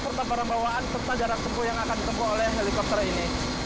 serta perbawaan serta jarak tempuh yang akan ditemukan oleh helikopter ini